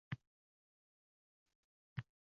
Orada qancha vaqt tejalyapti.